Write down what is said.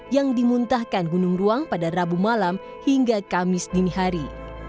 yang dimuntahkan gunung ruang pada rabu malam hingga kamis dini hari